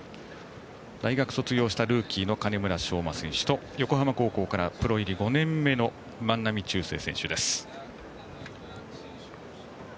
大学卒業したルーキーの金村尚真選手と横浜高校からプロ入り５年目の万波中正選手です。